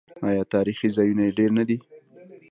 آیا تاریخي ځایونه یې ډیر نه دي؟